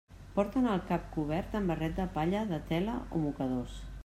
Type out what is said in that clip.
Porten el cap cobert amb barret de palla de tela o mocadors.